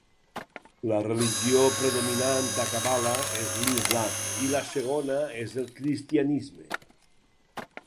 La religió predominant a Kabala és l'islam i la segona és el cristianisme.